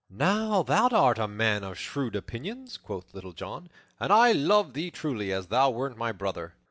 "Now thou art a man of shrewd opinions," quoth Little John, "and I love thee truly as thou wert my brother."